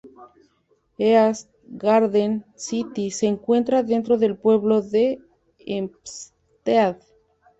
East Garden City se encuentra dentro del pueblo de Hempstead.